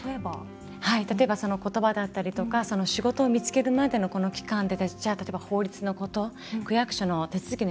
例えば言葉だったりとか仕事を見つけるまでの期間でじゃあ例えば法律のこと区役所の手続きのやり方